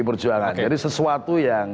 perjuangan jadi sesuatu yang